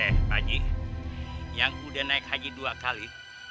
eh haji yang udah naik haji dua kali